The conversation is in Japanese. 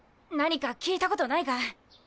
何か聞いたことないか？